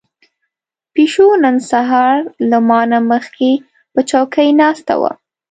پيشو نن سهار له ما نه مخکې په چوکۍ ناسته وه.